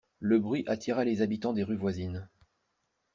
Le bruit attira les habitants des rues voisines.